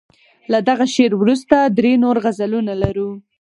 له دغه شعر وروسته درې نور غزلونه لرو.